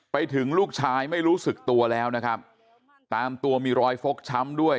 ไปถึงลูกชายไม่รู้สึกตัวแล้วนะครับตามตัวมีรอยฟกช้ำด้วย